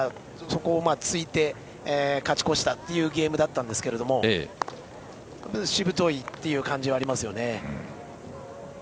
そこを突いて勝ち越したというゲームだったんですけどしぶといという感じはありますね。